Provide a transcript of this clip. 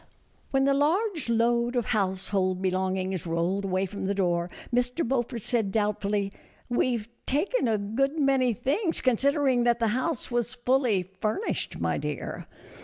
When the large load of household belongings rolled away from the door, Mr. Beaufort said, doubt fully, " We 've taken a good many things, consider ing that the house was fully furnished, my dear."